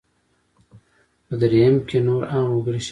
په درېیم کې نور عام وګړي شامل وو.